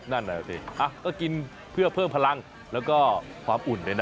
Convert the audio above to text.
นั่นแหละสิก็กินเพื่อเพิ่มพลังแล้วก็ความอุ่นเลยนะ